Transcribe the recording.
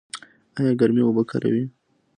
ایا ګرمې اوبه کاروئ؟